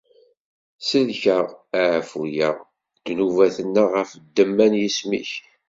Sellek-aɣ, ɛfu-yaɣ ddnubat-nneɣ ɣef ddemma n yisem-ik.